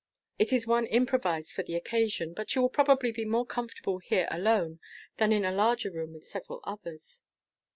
It is one improvised for the occasion; but you will probably be more comfortable here alone than in a larger room with several others."